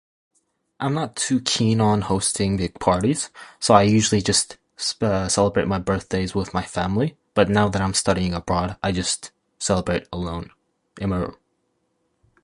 I'm not too keen on hosting big parties, so I usually just, c- uh, celebrate my birthdays with my family. But now that I'm studying abroad, I just celebrate alone, in my room.